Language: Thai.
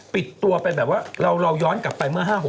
ปิดตัวไปเราย้อนกลายไปไหม